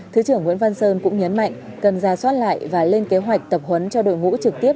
thứ trưởng nguyễn văn sơn cũng nhấn mạnh cần ra soát lại và lên kế hoạch tập huấn cho đội ngũ trực tiếp